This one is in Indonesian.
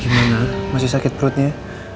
gimana masih sakit perutnya